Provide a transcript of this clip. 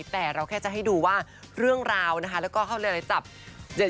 แต่เราแค่จะให้ดูว่าเรื่องราวนะคะแล้วก็เขาเรียกอะไรจับ